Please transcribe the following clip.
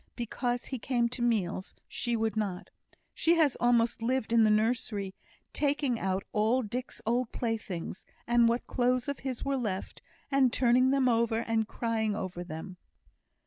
Because he came to meals, she would not. She has almost lived in the nursery; taking out all Dick's old playthings, and what clothes of his were left, and turning them over, and crying over them."